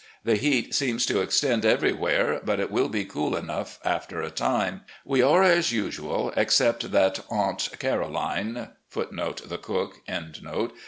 The heat seems to extend every where, but it will be cool enough after a time. We are as usual, except that 'Atmt' Caroline* seems more over * The cook.